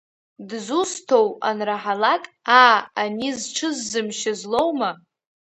Дзусҭоу анраҳалак, аа, ани зҽыззымшьыз лоума?